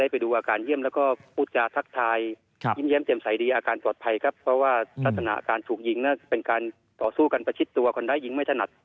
เป็นการต่อสู้กันประชิดตัวคนไร้หญิงไม่ถนัด